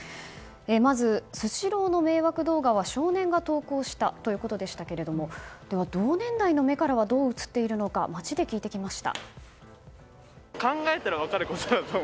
まずスシローの迷惑動画は少年が投稿したということですがでは、同年代の目からはどう映っているのか街で聞いてきました。